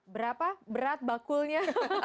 berapa berat bakulnya